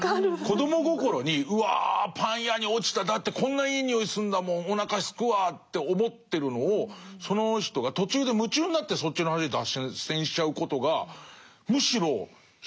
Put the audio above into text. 子ども心にうわパン屋に落ちただってこんないい匂いするんだもんおなかすくわって思ってるのをその人が途中で夢中になってそっちの話に脱線しちゃうことがむしろ悲惨の方も分かるというか。